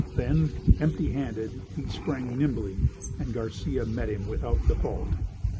Then, empty handed, he sprang nimbly, and Garcia met him without default.